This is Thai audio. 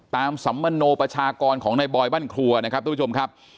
สัมมโนประชากรของในบอยบ้านครัวนะครับทุกผู้ชมครับ